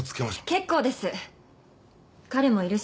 結構です。